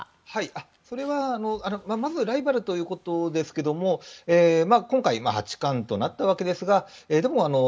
それはまずライバルということですが今回、八冠となったわけですがでも、